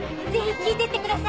聴いてってください！